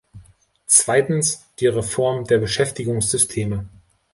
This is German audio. Zweitens, die Reform der Beschäftigungssysteme.